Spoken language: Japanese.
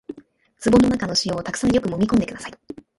壺の中の塩をたくさんよくもみ込んでください